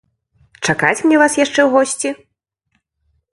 Чакаць мне вас яшчэ ў госці?